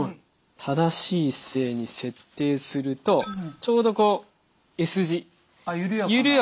正しい姿勢に設定するとちょうどこうＳ字緩やかな。